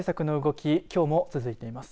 きょうも続いています。